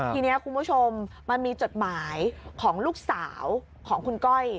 ทีนี้คุณผู้ชมมันมีจดหมายของลูกสาวของคุณก้อย